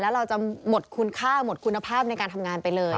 แล้วเราจะหมดคุณค่าหมดคุณภาพในการทำงานไปเลย